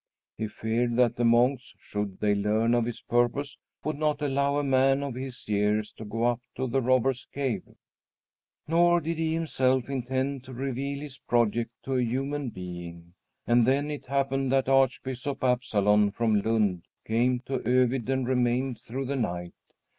He feared that the monks, should they learn of his purpose, would not allow a man of his years to go up to the Robbers' Cave. Nor did he himself intend to reveal his project to a human being. And then it happened that Archbishop Absalon from Lund came to Övid and remained through the night.